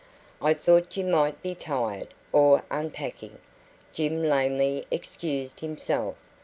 "I thought you might be tired or unpacking," Jim lamely excused himself.